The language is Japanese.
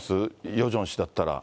ヨジョン氏だったら。